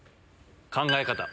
考え方。